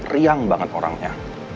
riang banget orangnya